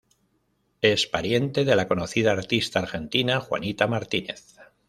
Es pariente de la conocida artista argentina Juanita Martínez.